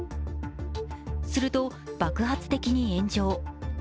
すると爆発的に炎上。